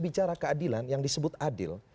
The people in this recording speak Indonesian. bicara keadilan yang disebut adil